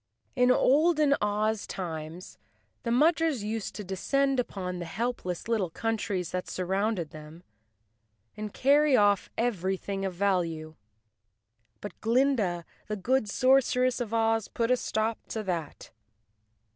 In olden Oz times the Mudgers used to descend upon the helpless little countries that surrounded them and carry off everything of value. But Glinda, the good sorceress of Ozj put a stop to that.